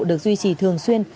được duy trì thường xuyên